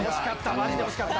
マジで惜しかった。